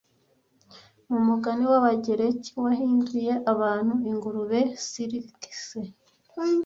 Mu mugani w'Abagereki wahinduye abantu ingurube Circe